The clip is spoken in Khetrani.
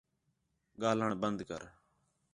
ڳاہلݨ بند کر